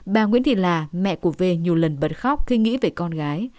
bà nguyễn thị là mẹ của v nhiều lần bật khóc khi nghĩ về con gái